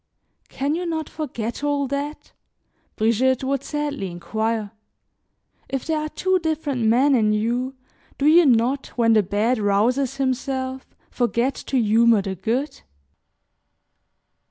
"Can you not forget all that?" Brigitte would sadly inquire, "if there are two different men in you, do you not, when the bad rouses himself, forget to humor the good?"